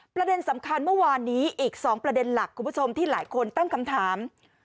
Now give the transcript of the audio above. ประเด็นสำคัญเมื่อวานนี้อีก๒ประเด็นหลักคุณผู้ชมที่หลายคนตั้งคำถาม